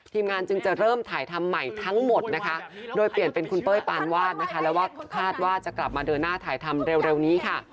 ทีมงานจึงจะเริ่มถ่ายทำใหม่ทั้งหมดนะคะโดยเปลี่ยนเป็นคุณเป้ยปานวาดนะคะแล้วก็คาดว่าจะกลับมาเดินหน้าถ่ายทำเร็วนี้ค่ะ